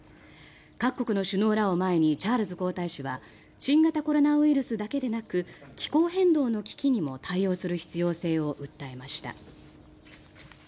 各国の首脳らを前にチャールズ皇太子は新型コロナウイルスだけでなく気候変動の危機にも対応する必要性を訴えました。